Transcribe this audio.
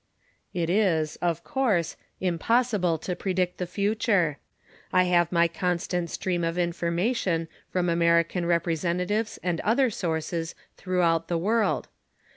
It is, of course, impossible to predict the future. I have my constant stream of information from American representatives and other sources throughout the world.